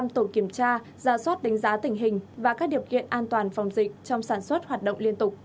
ba mươi năm tổ kiểm tra giả soát đánh giá tình hình và các điều kiện an toàn phòng dịch trong sản xuất hoạt động liên tục